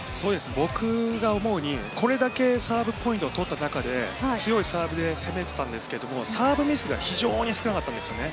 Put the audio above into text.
僕が思うにこれだけサーブポイントをとった中で強いサーブで攻めていたんですがサーブミスが非常に少なかったんですね。